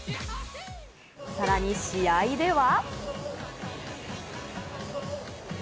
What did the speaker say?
さらに試合では。